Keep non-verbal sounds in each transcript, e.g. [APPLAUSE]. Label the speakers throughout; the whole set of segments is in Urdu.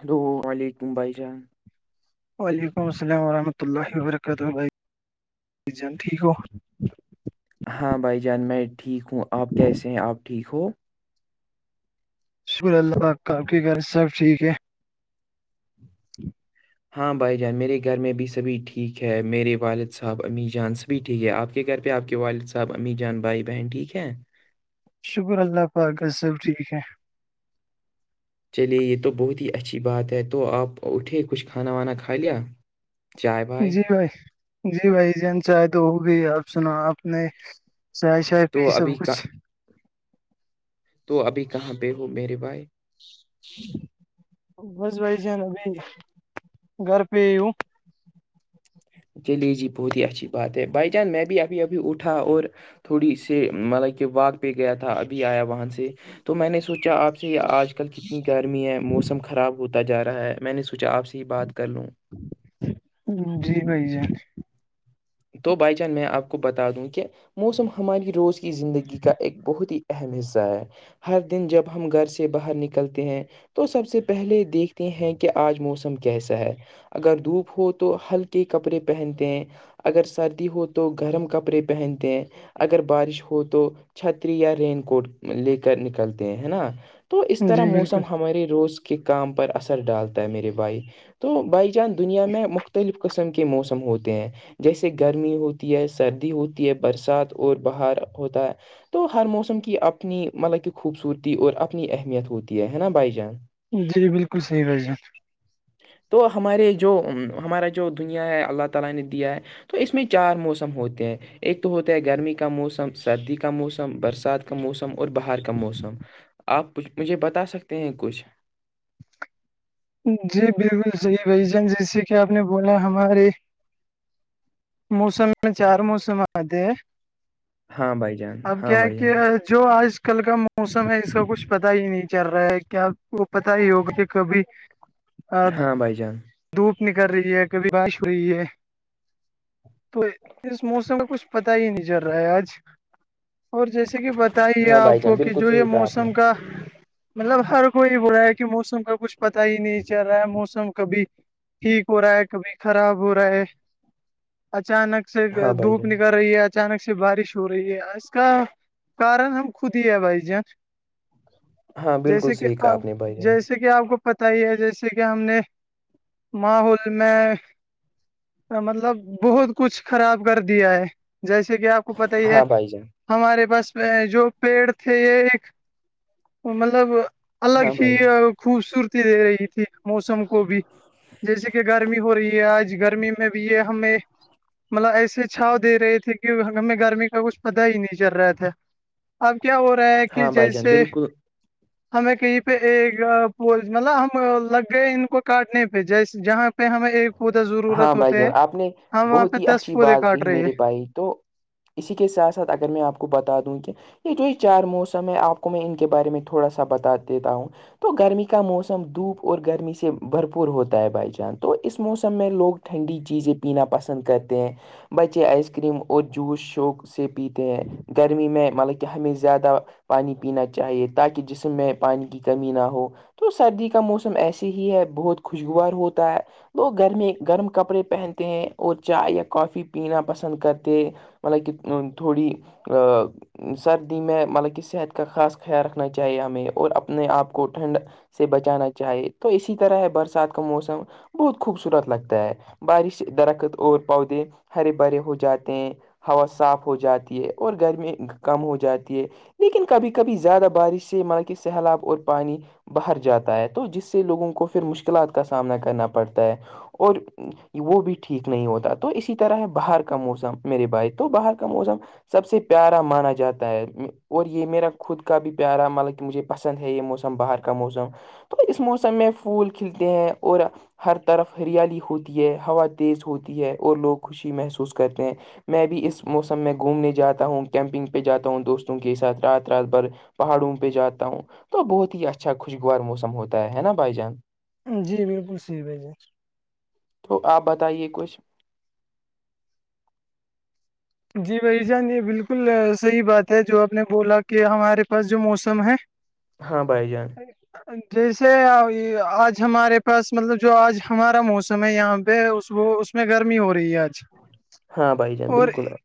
Speaker 1: ہلو وعلیکم بھائیسلام
Speaker 2: وعلیکم السلام ورحمۃ اللہ وبرکاتہ جان ٹھیک ہو
Speaker 1: ہاں بھائی جان میں ٹھیک ہوں آپ کیسے ہیں آپ ٹھیک ہو
Speaker 2: شکر اللہ ت آپ کی گھر سب ٹھیک ہے جی [INAUDIBLE]
Speaker 1: ہاں بھائی جان میرے گھر میں بھی سبھی ٹھیک ہے میرے والد صاحب امی جان ب ٹھیک ہے آپ کے گھر پہ آپ کے والد صاحب امی جان بھائی بہن ٹھیک ہے
Speaker 2: شکر اللہ پاکت سب ٹھیک ہے
Speaker 1: چلیے یہ تو بہت ہی اچھی بات ہے تو آپ اٹھے کچھ کھانا وانا کھا لیا چائے بھائے
Speaker 2: جی بھائی جی بھائی جن چاہے تو وہ بھی آپ سناو آپ نے چائے شائے
Speaker 1: تو
Speaker 2: پ
Speaker 1: ابھی
Speaker 2: سب
Speaker 1: کا
Speaker 2: کچھ
Speaker 1: تو ابھی کہاں پہ ہو میرے بھائی
Speaker 2: بس بھائی ج ن ابھی گھر پہ [UNINTELLIGIBLE]
Speaker 1: چلیے جی بہت ہی اچھی بات ہے بائی چانس میں بھی ابھی ابھی اٹھا اور تھوڑی س مطلب کہ واق پہ گیا تھا ابھی آیا وہاں سے تو میں نے سوچا آپ سے یہ آج آج کل کتنی گرمی ہے موسم خراب ہوتا جا رہا ہے میں نے سوچا آپ سے ہی بات کر لوں
Speaker 2: جی بھائی ج [UNINTELLIGIBLE]
Speaker 1: تو بائی چان میں آپ کو بتا دوں کہ موسم ہماری روز کی زندگی کا ایک بہت ہی اہم حصہ ہے ہر دن جب ہم گھر سے باہر نکلتے ہیں تو سب سے پہلے دیکھتے ہیں کہ آج موسم کیسا ہے اگر دھوپ ہو تو ہلکے کپڑے پہنتے ہیں اگر سردی ہو تو گرم کپڑے پہنتے ہیں اگر بارش ہو تو چھتری یا رین کوٹ لے کر نکلتے ہیں ہے نا تو اس طرح
Speaker 2: جی
Speaker 1: موسم
Speaker 2: بالکل
Speaker 1: ہمارے روز کے کام پر اثر ڈالتا ہے میرے بھائی تو بائی جان دنیا میں مختلف قسم کے موسم ہوتے ہیں جیسے گرمی ہوتی ہے سردی ہوتی ہے برسات اور بہار ہوتا ہے تو ہر موسم کی اپنی مطلب کی خوبصورتی اور اپنی اہمیت ہوتی ہے نا بھائی جان
Speaker 2: جی بالکل صحیح بج ہے
Speaker 1: تو ہمارے جو ہمارا جو دنیا ہے اللہ تعالی نے دیا ہے تو اس میں چار موسم ہوتے ہیں ایک تو ہوتا ہے گرمی کا موسم سردی کا موسم برسات کا کا موسم اور باہر کا موسم آپ مجھے بتا سکتے ہیں کچھ
Speaker 2: جی بالکل صحیح بھ جان جیسے کہ آپ نے بولا ہمارے موسم میں چار موسم آتے ہیں
Speaker 1: ہاں بھائی جان
Speaker 2: اب
Speaker 1: ہاں
Speaker 2: کیا ہے
Speaker 1: بھائی جان
Speaker 2: کیا جو آج کل کا موسم ہے اس کا کچھ پتا ہی نہیں چل رہا ہے کیا وہ پتا ہی ہوگا کہ کبھی [INAUDIBLE]
Speaker 1: ہاں بھائی جان
Speaker 2: دھوپ نکل رہی ہے کبھی بارش ہو رہی ہے تو اس موسم کا کچھ پتا ہی نہیں چل رہا ہے آج اور جیسے کہ بتائیے
Speaker 1: ہاں بھائی
Speaker 2: آپ
Speaker 1: جان
Speaker 2: کو کہ
Speaker 1: بالکل
Speaker 2: جو یہ
Speaker 1: صحیح کہا آپ نے
Speaker 2: موسم کا مطلب ہر کوئی ہو رہا ہے کہ موسم کا کچھ پتا ہی نہیں چل رہا ہے موسم کبھی ٹھیک ہو رہا ہے کبھی خراب ہو رہا ہے اچانک سے
Speaker 1: ہاں بھائی
Speaker 2: دھوپ
Speaker 1: جان
Speaker 2: نکل رہی ہے اچانک سے بارش ہو رہی ہے اس کا کارن ہم خود ہی ہے بھائی جان
Speaker 1: ہاں بالکل سییکا آپ نے بھائی جان
Speaker 2: جس کہ آپ کو پتہ ہی ہے جیسے کہ ہم نے ماحول میں مطلب بہت کچھ خراب کر دیا ہے جیسے کہ آپ کو پت ہی ہے
Speaker 1: ہاں بھائی جان
Speaker 2: ہمارے پاس جو پیڑ تھے یہ ایک مطلب الگ
Speaker 1: ہاں
Speaker 2: ہی
Speaker 1: بھائی
Speaker 2: خوبصورتی دے رہی تھی موسم کو بھی جیسے کہ گرمی ہو رہی ہے آج گرمی میں بھی یہ ہمیں مطلب ایسے چھاؤ دے رہے تھے کہ ہمیں گرمی کا کچھ پتا ہی نہیں چل رہا تھا اب کیا ہو رہا ہے کہ
Speaker 1: ہاں بھائی جان
Speaker 2: جیسے
Speaker 1: بالکل
Speaker 2: ہمیں کہیں پہ ایک پول مطلب ہم لگ گئے ان کو کاٹنے پہ جیس جہاں پہ ہمیں ایک پودا
Speaker 1: ہاں
Speaker 2: ضرورت
Speaker 1: بھائی
Speaker 2: ہوتے ہے
Speaker 1: جان آپ نے
Speaker 2: ہم وہاں
Speaker 1: بہت
Speaker 2: پہ
Speaker 1: ہی
Speaker 2: دس
Speaker 1: اچھی
Speaker 2: پودے
Speaker 1: بات
Speaker 2: کاٹ
Speaker 1: کہی
Speaker 2: رہے
Speaker 1: میرے بھائی تو اسی کے ساتھ ساتھ اگر میں آپ کو بتا دوں کہ یہ جو یہ چار موسم ہے آپ کو میں ان کے بارے میں تھوڑا سا بتا دیتا ہوں تو گرمی کا موسم دھوپ اور گرمی سے بھرپور ہوتا ہے بھائی جان تو اس موسم مو سم میں لوگ ٹھنڈی چیزیں پینا پسند کرتے ہیں بچے آئس کریم اور جوس شوق سے پیتے ہیں گرمی میں مطلب کہ ہمیشہ زیادہ آ پانی پینا چاہیے تاکہ جسم میں پانی کی کمی نہ ہو تو سردی کا موسم ایسے ہی ہے بہت خوشگوار ہوتا ہے گرم گرم کپڑے پہنتے ہیں اور چائے یا کافی پینا پسند کرتے ہیں مل کہ تھوڑی سردی میں مطلب کہ صحت کا خاص خیال رکھنا چاہیے ہمیں اور اپنے آپ کو ٹھنڈ سے بچانا چاہے تو اسی طرح ہے برسات کا موسم بہت خوبصورت لگتا ہے بارش درخت اور پودے ہرے بھرے ہو جاتے ہیں ہوا صاف ہو جاتی ہے اور گرمی کم ہو جاتی ہے لیکن کبھی کبھی زیادہ بارش سے مطب کہ سیلاب اور پانی باہر جاتا ہے تو جس سے لوگوں کو پھر مشکلات کا سامنا کرنا پڑتا ہے اور وہ بھی ٹھیک نہیں ہوتا تو اسی طرح ہے باہر کا موسم میرے بھائی تو باہر کا موسم سب سے پیارا مانا جاتا ہے اور یہ میرا خود کا بھی پیارا مطلب کہ مجھے پسند ہے یہ موسم باہر کا موسم تو اس موسم میں پھول کھلتے ہیں اور ہر طرف ہریالی ہوتی ہے ہوا تیز ہوتی ہے اور لوگ خوشی محسوس کرتے ہیں میں بھی اس موسم میں گھومنے جاتا ہوں کیمپنگ پہ جاتا ہوں دوستوں کے ساتھ رات رات بھر پہاڑوں پہ جاتا ہوں تو بہت ہی اچھا خوشگوار موسم ہوتا ہے نا بھائی جان
Speaker 2: جی بالکل سیح بھائی جی [UNINTELLIGIBLE]
Speaker 1: تو آپ بتائیے کچھ
Speaker 2: جی بھائی جان یہ بالکل صحیح بات ہے جو آپ نے بولا کہ ہمارے پاس جو موسم ہے
Speaker 1: ہاں بھائی جان
Speaker 2: ہاں جیسے آج ہمارے پاس مطلب جو آج ہمارا موسم ہے یہاں پہ اس اس میں گرمی ہو رہی ہے آج
Speaker 1: ہاں بھائی جان
Speaker 2: اور
Speaker 1: بالکل ہے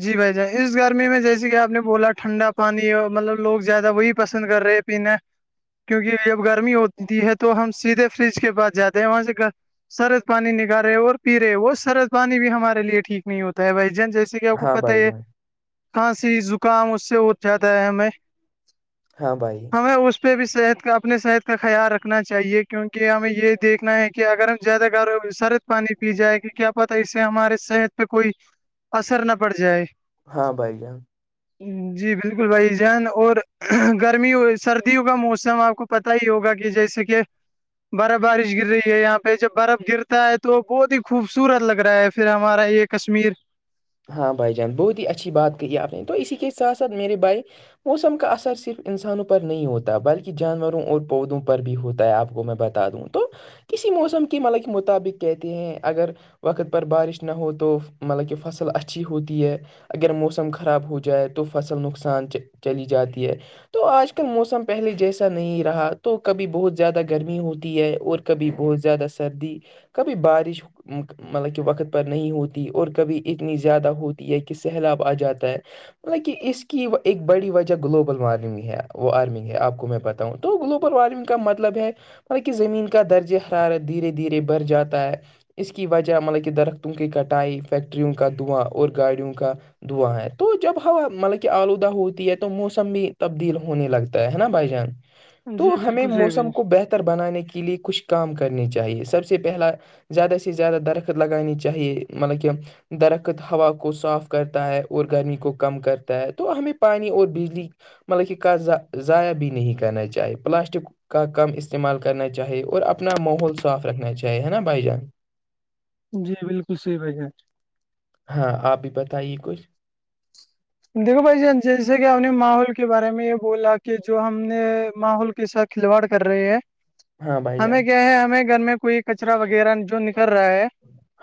Speaker 2: جی بھائی جان اس گرمی میں جیسے کہ آپ نے بولا ٹھنڈا پانی ہے مطلب لوگ زیادہ وہی پسند کر رہے پینا کیونکہ جب گرمی ہوتی ہے تو ہم سیدھے فریج کے پاس جاتے ہیں وہاں سے سرد پانی نکال رہے اور پی رہے وہ سرد پانی بھی ہمارے لیے ٹھیک نہیں ہوتا ہے بھائی ج جیسے کہ آپ کو
Speaker 1: ہاں
Speaker 2: پت
Speaker 1: بھائی
Speaker 2: ہے
Speaker 1: جان
Speaker 2: کہاںسی زکام اس سے ہو جاتا ہے ہمیں
Speaker 1: ہاں بھائی
Speaker 2: ہمیں اس پہ بھی صحت کا اپنے صحت کا خیال رکھنا چاہیے کیونکہ ہمیں یہ دیکھنا ہے کہ اگر زیادہ گر سرد پانی پی جائے کہ کیا پتا ہے اس سے ہمارے صحت پہ کوئی اثر نہ پڑ جائے
Speaker 1: ہاں بھائی جان
Speaker 2: جی بالکل بھائی جان اور گرمی سردیوں کا موسم آپ کو پتا ہی ہوگا کہ جیسے کہ برف بارش گر رہی ہے یہاں پہ جب برف گرتا ہے تو بہت ہی خوبصورت لگ رہا ہے پھر ہمارا ایک کشمیر
Speaker 1: ہاں بھائی جان بہت ہی اچھی بات کہ کی ہے آپ نے تو اسی کے ساتھ ساتھ میرے بھائی موسم کا اثر صرف انسانوں پر نہیں ہوتا بلکہ جانوروں اور پودوں پر بھی ہوتا ہے آپ کو میں بتا بتا دوں تو کسی موسم کے م کے مطابق کہتے ہیں اگر [UNINTELLIGIBLE] وقت پر بارش نہ ہو تو مطلب کہ فصل فصل اچھی ہوتی ہے اگر موسم خراب ہو جائے تو فصل نقصان چلی جاتی ہے تو آج کل موسم پہلے جیسا نہیں رہا تو کبھی بہت زیادہ گرمی ہوتی ہے اور کبھی بہت زیادہ سردی کبھی بارش مطلب کہ وقت پر نہیں ہوتی اور کبھی اتنی زیادہ ہوتی ہے کہ سیلاب آ جاتا ہے مطل کہ اس کی ایک بڑی وجہ گلوبل وارمنگ ہے وارمنگ ہے آپ کو میں پتا [UNINTELLIGIBLE] ہ تو گلوبل وارمنگ کا مطلب ہے مطلب کہ زمین کا درجہ حرارت دھیرے دھیرے بڑھ جاتا ہے اس کی وجہ مطلب کہ درختوں کی کٹائی فیکٹریوں کا دواں اور گاڑیوں کا دعا ہے تو جب ہوا مطلب کہ آلودہ ہوتی ہے تو موسم بھی تبدیل ہونے لگتا ہے نا بھائی جان تو
Speaker 2: جی
Speaker 1: ہمیں
Speaker 2: بالکل صحیح
Speaker 1: موسم کو
Speaker 2: بھائی
Speaker 1: بہتر بنانے کے لیے کچھ کام کرنے چاہیے سب سے پہلا زیادہ سے زیادہ درخت لگانانی چاہیے مطلب کہ درخت ہوا کو صاف کرتا ہے اور گرمی کو کم کرتا ہے تو ہمیں پانی اور بجلی مطلب کہ کاھ ضائع بھی نہیں کرنا چاہیے پلاسٹک [UNINTELLIGIBLE] کا کم استعمال کرنا چاہیے اور اپنا ماحول صاف رکھنا چاہیے ہے نا بھائی جان
Speaker 2: جی بالکل صحیح بھائی ہے [UNINTELLIGIBLE]
Speaker 1: ہاں آپ بھی بتائیے کچھ
Speaker 2: دیکھو بھائی جی جیسے کہ ہم نے ماحول کے بارے میں یہ بولا کہ جو ہم نے ماحول کے س کھلواڑ کر رہے ہیں
Speaker 1: ہاں بھائی
Speaker 2: ہمیں
Speaker 1: جان
Speaker 2: کیا ہے ہمیں گھر میں کوئی کچرا وغیرہ جو نکر رہا ہے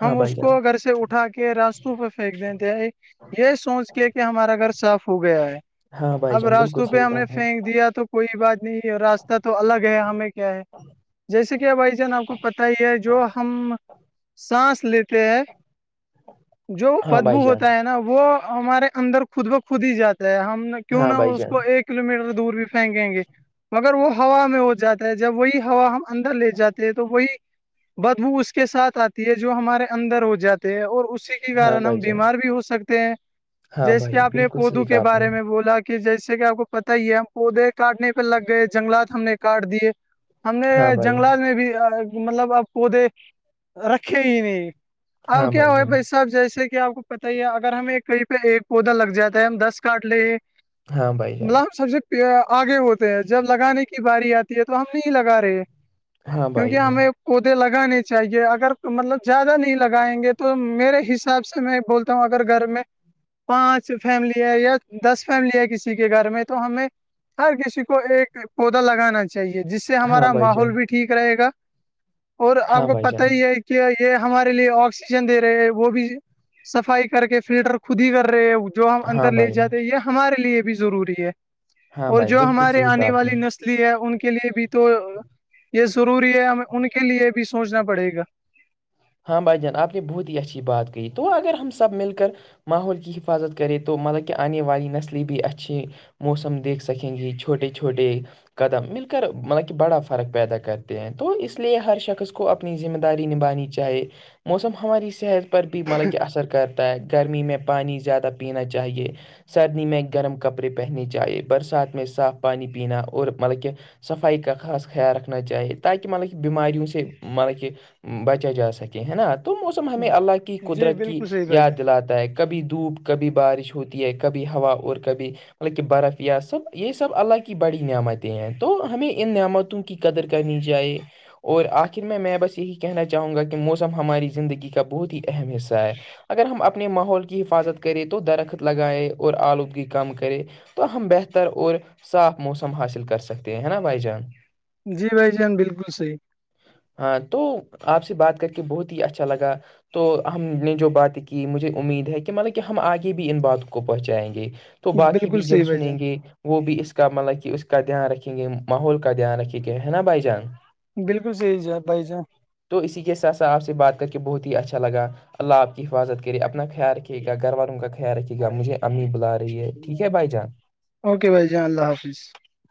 Speaker 2: [UNINTELLIGIBLE]
Speaker 1: ہاں
Speaker 2: ہم
Speaker 1: بھائی
Speaker 2: اس
Speaker 1: جان
Speaker 2: کو گھر سے اٹھا کے راستوں پہ پھینک دیتے یہ سوچ کے کہ ہمارا گھر صاف ہو گیا ہے
Speaker 1: ہاں بھائی
Speaker 2: اب
Speaker 1: جان بالکل
Speaker 2: راستوں پہ
Speaker 1: صحیح
Speaker 2: ہم
Speaker 1: کہا
Speaker 2: نے
Speaker 1: آپ
Speaker 2: پھینک دیا تو کوئی بات نہیں ہے راستہ تو الگ ہے ہمیں کیا ہے جیسے کہ بھائی جان آپ کو پتا ہی ہے جو ہم سانس لیتے ہیں جو
Speaker 1: ہاں بھائی
Speaker 2: بدبو
Speaker 1: جان
Speaker 2: ہوتا ہے نا وہ ہمارے اندر خود بخود ہی جاتا ہے ہم کیوں
Speaker 1: ہاں
Speaker 2: نہا
Speaker 1: بھائی
Speaker 2: اس
Speaker 1: جان
Speaker 2: کو ایک کلو میٹر دور بھی پھینکیں گے مگر وہ ہوا میں ہو جاتا ہے جب وہی ہوا ہم اندر لے جاتے ہیں تو وہی بدبو اس کے ساتھ آتی ہے جو ہمارے اندر ہو جاتے ہے اور اسی
Speaker 1: ہاں
Speaker 2: کارن ہم
Speaker 1: بھائی جان
Speaker 2: بیمار بھی ہو سکتے ہیں
Speaker 1: ہاں
Speaker 2: جیسے کہ
Speaker 1: بھائی
Speaker 2: آپ نے
Speaker 1: بالکل
Speaker 2: کوودو
Speaker 1: صحیح
Speaker 2: کے
Speaker 1: کہا آپ نے
Speaker 2: بارے میں بولا کہ کہ جیسے کہ آپ کو پت ہی ہے ہم پودے کاٹنے پہ لگ گئے جنگلات ہم نے کاٹ دیے [UNINTELLIGIBLE] ہم نے جنگلات میں بھی مطلب اب پودے رکھے ہی نہیں اب کیا ہوا بھائی صاحب جیسے کہ آپ کو پت ہی ہے اگر ہمیں کئی پہ ایک پودا لگ جاتا ہے ہم دس کاٹ لے مطلب سب سے آگے ہوتے ہیں جب لگانے کی باری آتی ہے تو ہم نہیں لگا رہے کیونکہ ہمیں پودے لگانے چاہیے اگر مطلب زیادہ نہیں لگائیں گے تو میرے حساب سے میں بولتا اگر گھر میں پانچ فیملی ہے یا دس فیملی ہے کسی کے گھر میں تو ہمیں ہر کسی کو ایک پودا لگانا چاہیے جس سے سے ہمارا ماحول بھی ٹھیک رہے گا اور آپ کو پتا ہی ہے کہ یہ ہمارے لیے آکسیجن دے رہے وہ بھی صفائی کر کے فلٹر خود ہی کر رہے ہیں جو ہم اندر لے جاتے یہ ہمارے لیے بھی ضروری ہے اور جو ہمارے آنے والی نسل لی ان کے لیے بھی تو یہ ضروری ہے ہمیں ان کے لیے بھی سوچنا پڑے گا
Speaker 1: ہاں بھائی جان آپ نے بہت ہی اچھی بات کہ تو اگر ہم سب مل کر ماحول کی حفاظت کرے تو مطلب کہ آنے والی نسلی بھی اچھی موسم دیکھ سکیں گے چھوٹے چھوٹے قدم مل کر مطلب کہ بڑا فرق پیدا کرتے ہیں تو اس لیے ہر شخص کو اپنی ذمہ داری نبانی چاہیے چاہے موسم ہماری صحت پر بھی مطلب کہ اثر کر تو گرمی میں پانی زیادہ پینا چاہیے سردی میں گرم کپڑے پہننے چاہیے برسات میں صاف پانی پینا اور مطلب کہ صفائی کا خاص خیال رکھنا چاہیے تاکہ مطلب کہ بیماریوں سے مطلب کہ بچا جا سک سکے ہے نا تو موسم ہمیں اللہ کی
Speaker 2: جی
Speaker 1: قدرت کی
Speaker 2: بالکل صحیح بھائی
Speaker 1: یاد
Speaker 2: جان
Speaker 1: دلاتا ہے کہ کبھی دھوپ کبھی بارش ہوتی ہے کبھی ہوا اور کبھی مطلب کہ برف سب یہ سب اللہ کی بڑی نعمتیں ہیں تو ہمیں ان نعمتوں کی قدر کرنی چائے اور آخر میں میں بس یہی کہنا چاہوں گا کہ موسم ہماری زندگی کا بہت ہی اہم حصہ ہے اگر ہم اپنے ماحول کی حفاظت کریں تو درخت لگائیں اور آلودگی کم کرے تو ہم بہتر اور صاف موسم حاصل کر سکتے ہیں ہے نا بھائی جان
Speaker 2: جی بھائی جان بالکل صحیح
Speaker 1: ہاں تو آپ سے بات کر کے بہت ہی اچھا لگا تو ہم نے جو باتیں کی مجھے امید ہے کہ مطلب کہ ہم آگے بھی ان باتوں کو پہنچائیں گے تو باقی
Speaker 2: بالکل
Speaker 1: بھی جب
Speaker 2: صحیح بھائی
Speaker 1: سنیں
Speaker 2: جان
Speaker 1: گے وہ بھی اس کا مطلب کہ اس کا دھیان رکھیں گے ماحول کا دھیان رکھیں گے ہے نا بھائی جان
Speaker 2: بالکل صحیح بھائی جان
Speaker 1: تو اسی کے ساتھ س آپ سے بات کر کے بہت ہی اچھا لگا اللہ آپ کی حفاظت کر اپنا خیال رکھیے گا گھر والوں کا خیال رکے گا مجھے امی بلا رہی ہے ٹھیک ہے بھائی جان
Speaker 2: اوکے بھائی جی اللہ حافظ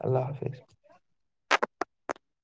Speaker 1: اللہ حافظ